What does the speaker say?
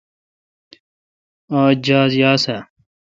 آج جاز یاس آ؟